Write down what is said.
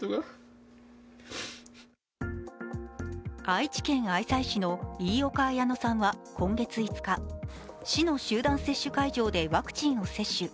愛知県愛西市の飯岡綾乃さんは今月５日市の集団接種会場でワクチンを接種。